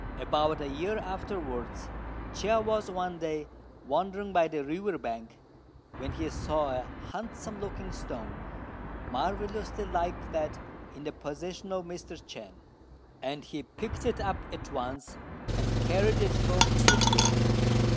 About a year afterwards Chia was one day wandering by the river bank, when he saw a handsome looking stone, marvellously like that in the possession of Mr. Chên; and he picked it up at once and carried it home with him.